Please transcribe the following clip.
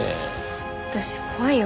私怖いよ